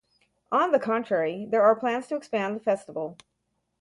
On the contrary, there are plans to expand the festival.